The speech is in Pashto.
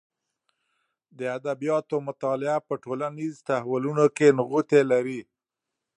د ادبیاتو مطالعه په ټولنیز تحولونو کې نغوتې لري.